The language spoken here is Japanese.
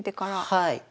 はい。